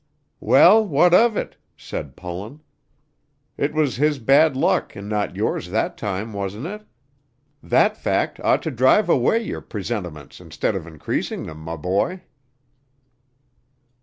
"Well, what of it?" said Pullen. "It was his bad luck and not yours that time, wasn't it? That fact ought to drive away your presentiments instead of increasing them, my boy."